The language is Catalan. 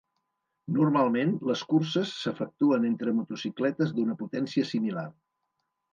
Normalment, les curses s'efectuen entre motocicletes d'una potència similar.